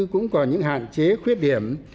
cũng còn những hạn chế khuyết điểm